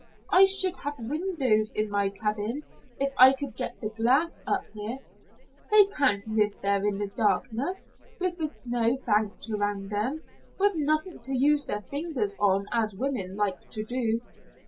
I should have windows in my cabin if I could get the glass up here. They can't live there in the darkness, with the snow banked around them, with nothing to use their fingers on as women like to do.